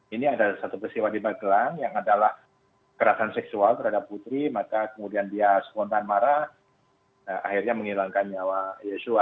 ini ada satu peristiwa di magelang yang adalah kerasan seksual terhadap putri maka kemudian dia spontan marah akhirnya menghilangkan nyawa yesua